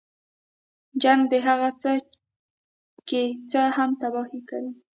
جنګ د هغه څه که څه هم تباه کړي.